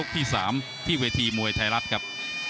ที่๓ที่เวทีมวยไทยรัฐครับ